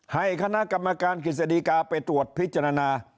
ให้คณะกรรมการกฤษฎีกาไปตรวจพิจารณา